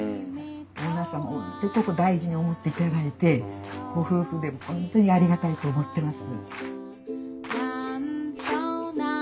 オーナーさんも本当にここ大事に思っていただいてご夫婦で本当にありがたいと思ってます。